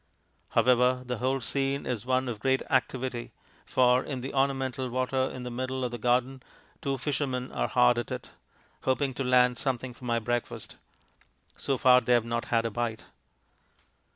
However, the whole scene is one of great activity, for in the ornamental water in the middle of the garden two fishermen are hard at it, hoping to land something for my breakfast. So far they have not had a bite.